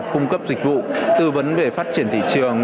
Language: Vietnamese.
cung cấp dịch vụ tư vấn về phát triển thị trường